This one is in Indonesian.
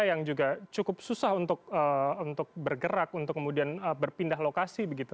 yang juga cukup susah untuk bergerak untuk kemudian berpindah lokasi begitu